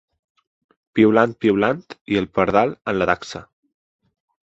Piulant, piulant, i el pardal en la dacsa.